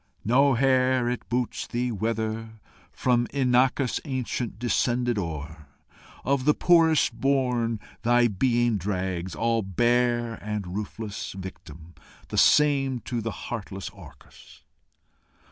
"No hair it boots thee whether from Inachus Ancient descended, or, of the poorest born, Thy being drags, all bare and roofless Victim the same to the heartless Orcus.